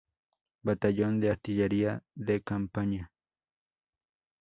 Batallón de Artillería de Campaña.